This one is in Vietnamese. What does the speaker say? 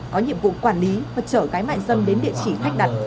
có nhiệm vụ quản lý và chở gái mại dâm đến địa chỉ khách đặt